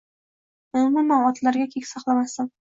Men umuman otlarga kek saqlamasdim